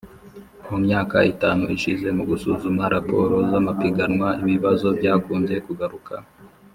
Mu myaka itanu ishize mu gusuzuma raporo z amapiganwa ibibazo byakunze kugaruka